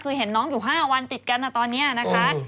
คือเห็นน้องอยู่๕วันติดกันนะตอนนี้นะคะ